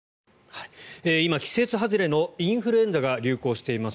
今、季節外れのインフルエンザが流行しています。